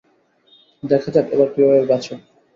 দেখা যাক এবার কীভাবে বাঁচো।